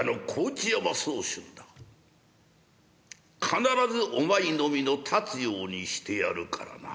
必ずお前の身の立つようにしてやるからな。